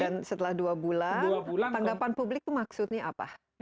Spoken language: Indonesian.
dan setelah dua bulan tanggapan publik itu maksudnya apa